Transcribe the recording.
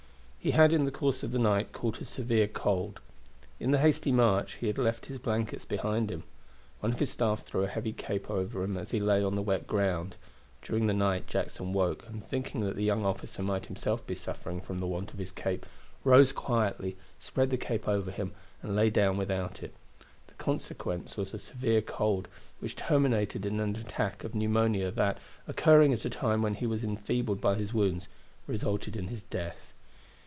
He had in the course of the night caught a severe cold. In the hasty march he had left his blankets behind him. One of his staff threw a heavy cape over him as he lay on the wet ground. During the night Jackson woke, and thinking that the young officer might himself be suffering from the want of his cape, rose quietly, spread the cape over him, and lay down without it. The consequence was a severe cold, which terminated in an attack of pneumonia that, occurring at a time when he was enfeebled by his wounds, resulted in his death.